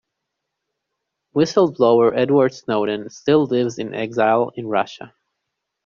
Whistle-blower Edward Snowden still lives in exile in Russia.